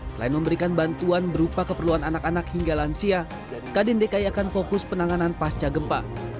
selain memberikan bantuan berupa keperluan anak anak hingga lansia kadin dki akan fokus penanganan pasca gempa